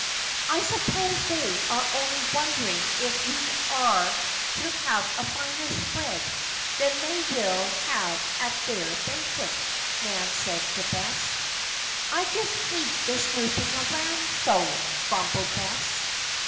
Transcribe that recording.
"I suppose they are only wondering if we are to have a finer spread than they will have at their banquet," Nan said to Bess. "I just hate their snooping around so," grumbled Bess.